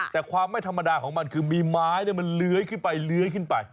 แต่ความไม่ธรรมดาของมันคือมีไม้มันเลื้อยขึ้นไปเลื้อยขึ้นไป